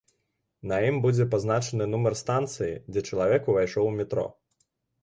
На ім будзе пазначаны нумар станцыі, дзе чалавек увайшоў у метро.